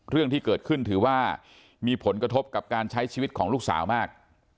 เรื่องที่เกิดขึ้นถือว่ามีผลกระทบกับการใช้ชีวิตของลูกสาวมาก